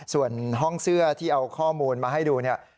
ส่วนห้องเสื้อที่เอาข้อมูลมาให้ดูเนี่ย